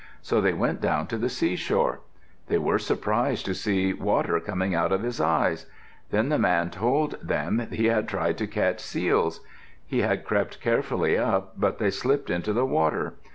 So they went down to the seashore. They were surprised to see water coming out of his eyes. Then Man told them he had tried to catch seals. He had crept carefully up, but they slipped into the water.